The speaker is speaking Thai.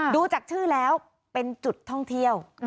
ดูจากชื่อแล้วเป็นจุดท่องเที่ยว